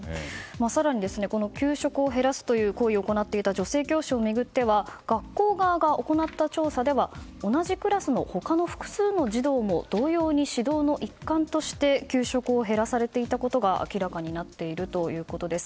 更に給食減らすという行為を行っていた女性教師を巡って学校側が行った調査では同じクラスの他の複数の児童も同様に指導の一環として給食を減らされていたことが明らかになっているということです。